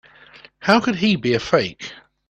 How could he be a fake?